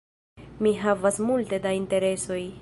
Mi havas multe da interesoj.